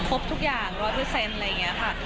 ครบทุกอย่างร้อยเปอร์เซ็นต์อะไรอย่างนี้ค่ะ